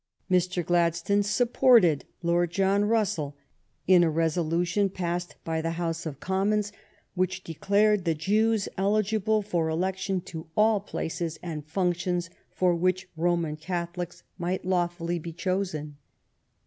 Mr. Gladstone supported Lord John Russell in a resolution passed by the House of 114 THE STORY OF GLADSTONE'S LIFE Commons which declared the Jews eligible for elec tion to all places and functions for which Roman Catholics might lawfully be chosen.